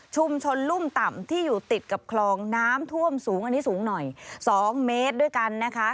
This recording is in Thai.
ลุ่มต่ำที่อยู่ติดกับคลองน้ำท่วมสูงอันนี้สูงหน่อย๒เมตรด้วยกันนะคะ